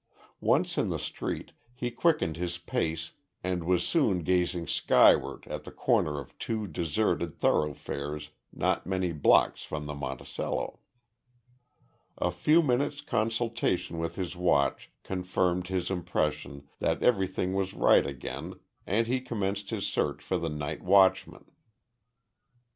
Once in the street, he quickened his pace and was soon gazing skyward at the corner of two deserted thoroughfares not many blocks from the Monticello. A few minutes' consultation with his watch confirmed his impression that everything was right again and he commenced his search for the night watchman.